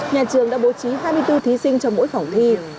nhà trường đã bố trí hai mươi bốn thí sinh cho mỗi phòng thi